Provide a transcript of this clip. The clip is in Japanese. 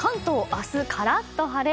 明日、カラッと晴れ。